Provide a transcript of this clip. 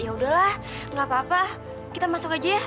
ya udahlah gapapa kita masuk aja ya